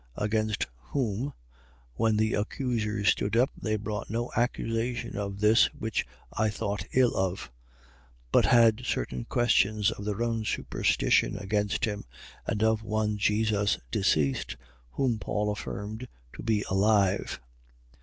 25:18. Against whom, when the accusers stood up, they brought no accusation of this which I thought ill of: 25:19. But had certain questions of their own superstition against him, and of one Jesus deceased, whom Paul affirmed to be alive.